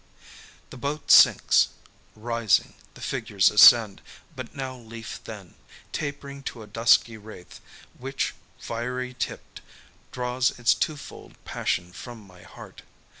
The boat sinks. Rising, the figures ascend, but now leaf thin, tapering to a dusky wraith, which, fiery tipped, draws its twofold passion from my heart.